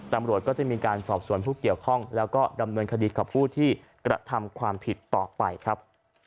ตำรวจก็จะมีการสอบส่วนผู้เกี่ยวข้องแล้วก็ดำเนินคดีกับผู้ที่กระทำความผิดต่อไปครับ